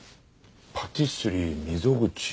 「パティスリー溝口」。